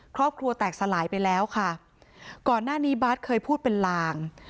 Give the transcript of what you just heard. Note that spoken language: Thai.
ครอบครัวแตกสลายไปแล้วค่ะก่อนหน้านี้บาร์ดเคยพูดเป็นลาง